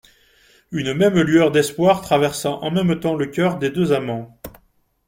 Une même lueur d'espoir traversa en même temps le coeur des deux amants.